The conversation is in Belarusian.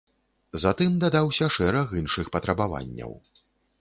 Затым дадаўся шэраг іншых патрабаванняў.